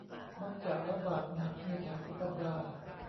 มักจะระบาดหนักในแถบอูกันดา